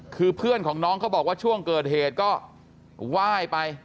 คือเพื่อนของน้องเขาบอกว่าช่วงเกิดเหตุก็ไหว้ไป